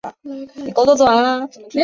森尚子。